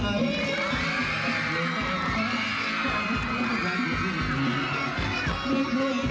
แม่ครัวสาวตาอยากว่ามีเสียงซ้าย